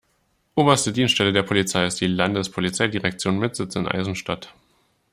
Oberste Dienststelle der Polizei ist die Landespolizeidirektion mit Sitz in Eisenstadt.